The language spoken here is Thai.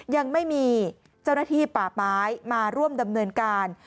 ยังไม่มีเจ้าหน้าที่ป่าไม้มาร่วมดำเนินการ